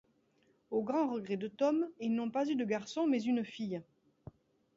Au grand regret de Tom, ils n’ont pas eu de garçon mais une fille.